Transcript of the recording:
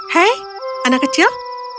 hei anak kecil